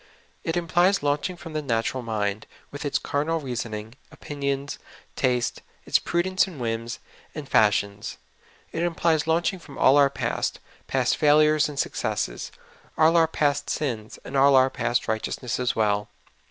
It implies launching from the natural mind, with its carnal reason ing, opinions, taste, its prudence and whims, and fash ions. It implies launching from all our past — past fail ures and successes, all our past sins, and all our past righteousness as well.